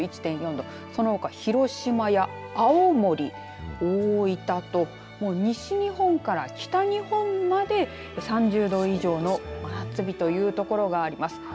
そのほか広島や青森、大分ともう西日本から北日本まで３０度以上の真夏日という所があります。